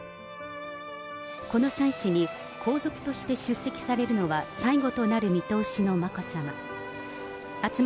この祭祀に皇族として出席されるのは最後となる見通しの眞子さま。